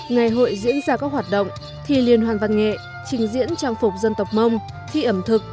ngày hội diễn ra các hoạt động thi liên hoàn văn nghệ trình diễn trang phục dân tộc mông thi ẩm thực